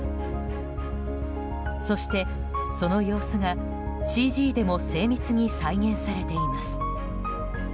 そして、その様子がＣＧでも精密に再現されています。